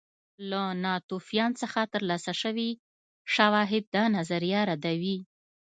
له ناتوفیان څخه ترلاسه شوي شواهد دا نظریه ردوي